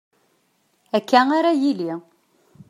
Akka ara yili.